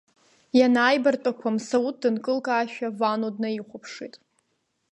Ианааибартәақәа, мсауҭ дынкылкаашәа Вано днаихәаԥшит…